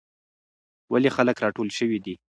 ولې خلک راټول شوي دي؟